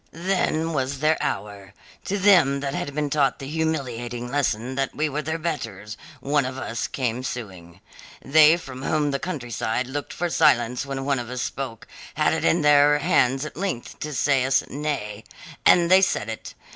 "Then was their hour. To them that had been taught the humiliating lesson that we were their betters, one of us came suing. They from whom the countryside looked for silence when one of us spoke, had it in their hands at length to say us nay. And they said it.